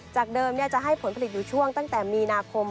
จากเดิมจะให้ผลผลิตอยู่ช่วงตั้งแต่มีนาคม